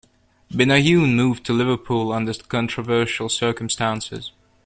Benayoun moved to Liverpool under controversial circumstances.